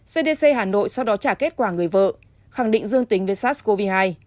cdc hà nội sau đó trả kết quả người vợ khẳng định dương tính với sars cov hai